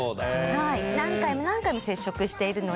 はい何回も何回も接触しているので。